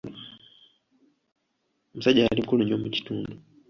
Omusajja yali mukulu nnyo mu kitundu.